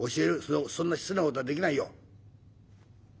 そんな失礼な事はできないよ」。